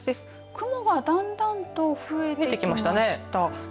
雲がだんだんと増えてきました。